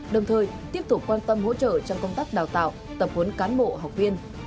đồng thời tiếp tục quan tâm hỗ trợ trong công tác đào tạo tập huấn cán bộ học viên